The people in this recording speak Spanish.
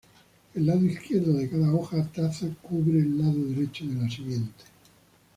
El lado izquierdo de cada hoja taza cubre el lado derecho de la siguiente.